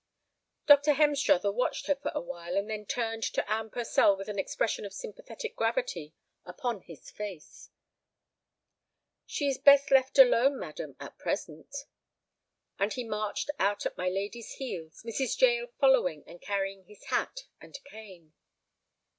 Dr. Hemstruther watched her for a while, and then turned to Anne Purcell with an expression of sympathetic gravity upon his face. "She is best left alone, madam, at present." And he marched out at my lady's heels, Mrs. Jael following and carrying his hat and cane.